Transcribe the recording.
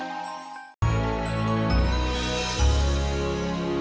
aduh gimana ya bu elis